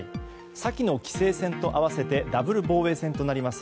先の棋聖戦を合わせてダブル防衛戦となります